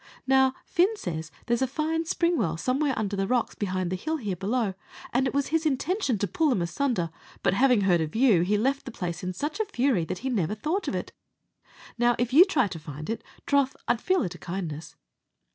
Now, Fin says there's a fine spring well somewhere under the rocks behind the hill here below, and it was his intention to pull them asunder; but having heard of you, he left the place in such a fury, that he never thought of it. Now, if you try to find it, troth I'd feel it a kindness."